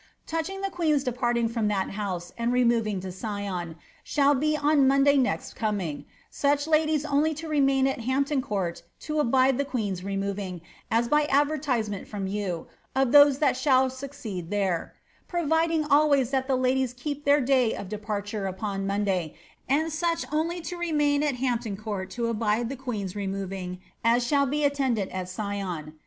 Touching the queen's departing from that 1 removing to Sion, shall be on Monday next coming, such ladies only I at Hampton Court to abide the queen's removing, as by advertise en ]rou, of those that shall succeed there ; providing always that the ep their day of departure upon Monday, and such only to remain at Court to abide the queen's removing as shall be attendant at Sion.